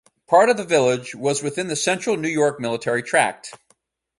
Part of the village was within the Central New York Military Tract.